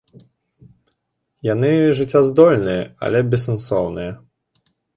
Яны жыццяздольныя, але бессэнсоўныя.